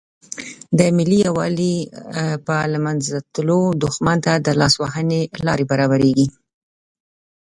د ملي یووالي په له منځه تللو دښمن ته د لاس وهنې لارې برابریږي.